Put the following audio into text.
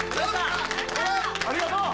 ありがとう。